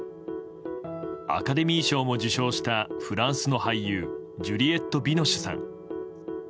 アカデミー賞も受賞したフランスの俳優ジュリエット・ビノシュさん。